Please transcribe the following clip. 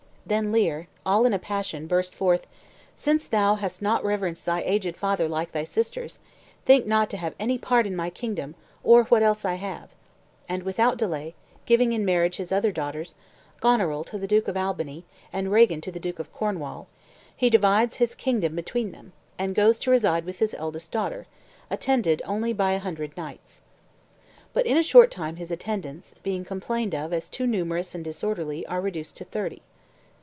Then Leir, all in a passion, burst forth: "Since thou hast not reverenced thy aged father like thy sisters, think not to have any part in my kingdom or what else I have;" and without delay, giving in marriage his other daughters, Goneril to the Duke of Albany, and Regan to the Duke of Cornwall, he divides his kingdom between them, and goes to reside with his eldest daughter, attended only by a hundred knights. But in a short time his attendants, being complained of as too numerous and disorderly, are reduced to thirty.